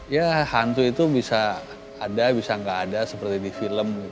ya hantu itu bisa ada bisa nggak ada seperti di film